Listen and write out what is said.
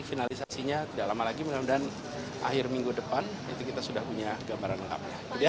finalisasinya tidak lama lagi mudah mudahan akhir minggu depan kita sudah punya gambaran lengkap